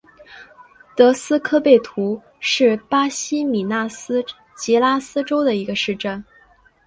德斯科贝图是巴西米纳斯吉拉斯州的一个市镇。